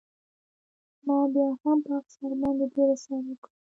ما بیا هم په افسر باندې ډېر اسرار وکړ